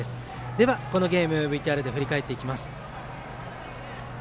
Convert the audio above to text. では、このゲームＶＴＲで振り返っていきます。